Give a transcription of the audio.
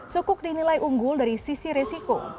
sukuk dinilai unggul dari sisi resiko